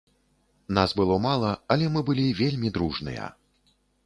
Нас было мала, але мы былі вельмі дружныя.